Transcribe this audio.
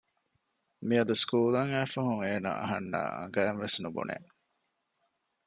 މިޔަދު ސްކޫލަށް އައިފަހުން އޭނާ އަހަންނާ އަނގައަކުން ވެސް ނުބުނެ